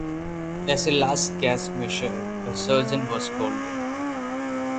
As a last-gasp measure a surgeon was called in.